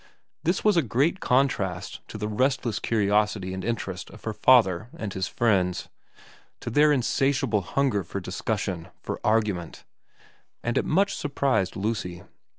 This was a great contrast to the restless curiosity and interest of her father and his friends, to their in satiable hunger for discussion, for argument ; and it much surprised Lucy.